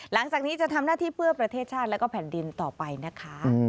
หลังจากนี้จะทำหน้าที่เพื่อประเทศชาติและแผ่นดินต่อไปนะคะ